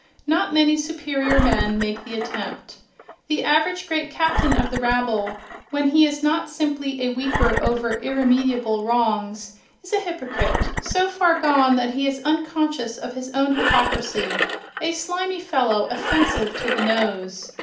Not many superior men make the attempt. The average great captain of the rabble, when he is not simply a weeper over irremediable wrongs, is a hypocrite so far gone that he is unconscious of his own hypocrisy—a slimy fellow, offensive to the nose.